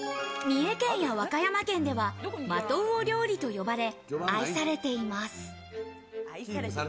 三重県や和歌山県ではマトウオ料理と言われ愛されています。